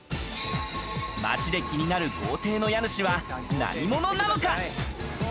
街で気になる豪邸の家主は何者なのか？